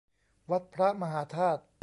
วัดพระมหาธาตุ